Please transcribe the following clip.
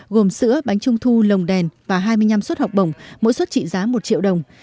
gồm sữa bánh trung thu lồng đèn và hai mươi năm suất học bổng mỗi suất trị giá một triệu đồng